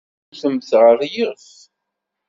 Tewtem-t ɣer yiɣef.